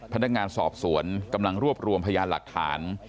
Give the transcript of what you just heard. พนักงานสอบสวนกำลังรวบรวมพยานหลักฐาน